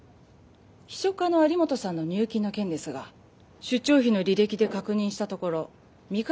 秘書課の有本さんの入金の件ですが出張費の履歴で確認したところみかど